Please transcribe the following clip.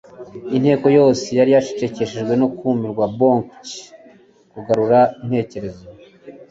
Inteko yose yari yacecekeshejwe no kumirwa. Bongcye kugarura intekerezo,